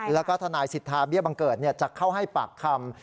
แล้วก็ทนายสิทธาเบี้ยบังเกิดจะเข้าให้ปากคำ